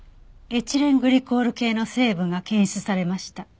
エチレングリコール系の成分が検出されました。